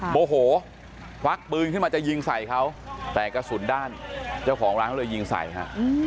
โมโหควักปืนขึ้นมาจะยิงใส่เขาแต่กระสุนด้านเจ้าของร้านเขาเลยยิงใส่ฮะ